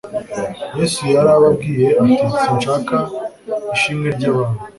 Yesu yarababwiye ati: "Sinshaka ishimwe ry'abantu".